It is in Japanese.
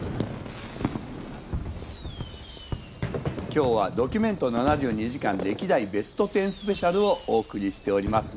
今日は「ドキュメント７２時間歴代ベスト１０スペシャル」をお送りしております。